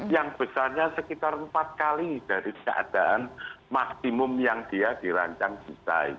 yang besarnya sekitar empat kali dari keadaan maksimum yang dia dirancang desain